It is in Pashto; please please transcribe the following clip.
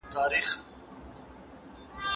پښتنو په منځ کي نه، بلکي د نړۍ په هر ګوټ کي د